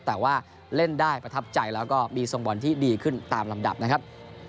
แต่ว่าเล่นได้ประทับใจแล้วก็มีทรงบอลที่ดีขึ้นตามลำดับนะครับ